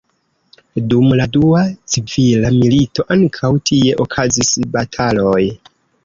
Dum la dua civila milito ankaŭ tie okazis bataloj.